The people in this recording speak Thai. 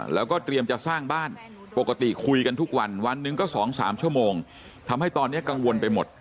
แล้วก็เตรียมจะสร้างบ้านปกติคุยกันทุกวันวันหนึ่งก็๒๓ชั่วโมงทำให้ตอนนี้กังวลไปหมด